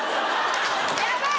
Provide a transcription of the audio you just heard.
ヤバい！